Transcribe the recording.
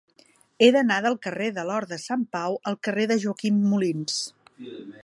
He d'anar del carrer de l'Hort de Sant Pau al carrer de Joaquim Molins.